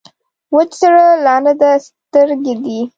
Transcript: وچ زړه لانده سترګې دي.